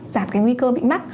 giảm nguy cơ bị mắc